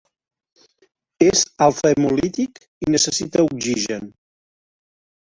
És alfa-hemolític i necessita oxigen.